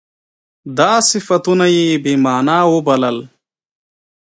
دا صفتونه یې بې معنا وبلل.